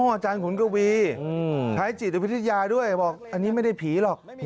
อาจารย์ขุนกวีใช้จิตวิทยาด้วยบอกอันนี้ไม่ได้ผีหรอก